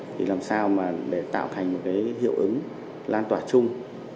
thì làm sao mà để tạo thành một cái hiệu ứng lan tỏa chung